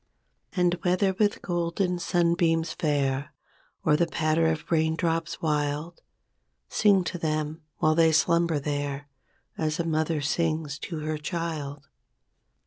And whether with golden sunbeams fair, Or the patter of raindrops wild. Sing to them while they slumber there. As a mother sings to her child.